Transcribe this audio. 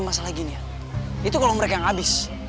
gak bisa lagi nian itu kalo mereka yang abis